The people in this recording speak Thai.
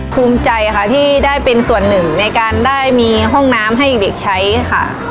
ภูมิใจค่ะที่ได้เป็นส่วนหนึ่งในการได้มีห้องน้ำให้เด็กใช้ค่ะ